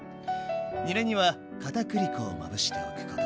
にらには片栗粉をまぶしておくこと。